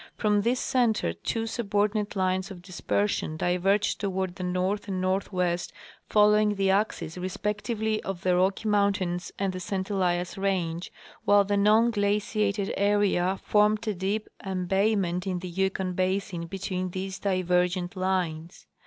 From this center two subordinate lines of dispersion diverged toward the north and northwest, following the axes respectively of the Rocky mountains and the St Elias range, while the non glaciated area formed a deep em bayment in the Yukon basin between these divergent lines.